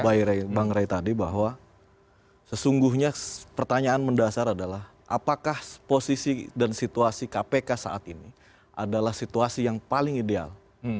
bang ray tadi bahwa sesungguhnya pertanyaan mendasar adalah apakah posisi dan situasi kpk saat ini adalah situasi yang paling ideal